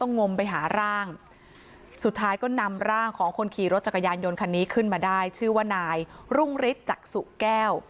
นำร่างของคนขี่รถจักรยานยนต์คันนี้ขึ้นมาได้ชื่อว่านายรุ่งฤทธิ์จักษุแก้ว